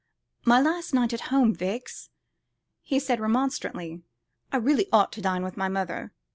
"My last night at home, Vix," he said remonstrantly; "I really ought to dine with my mother."